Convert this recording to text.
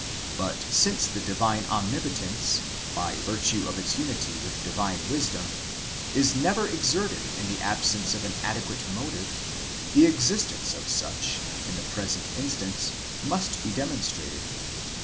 But since the divine omnipotence, by virtue of its unity with divine wisdom, is never exerted in the absence of an adequate motive, the existence of such, in the present instance, must be demonstrated.